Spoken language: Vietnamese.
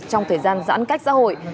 trong thời gian giãn cách xã hội